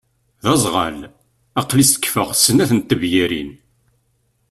D azɣal. Aqli sekkfeɣ snat n tebyirin!